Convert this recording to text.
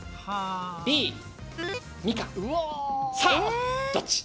さあどっち？